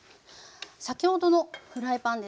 先ほどのフライパンですね。